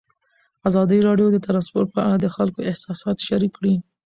ازادي راډیو د ترانسپورټ په اړه د خلکو احساسات شریک کړي.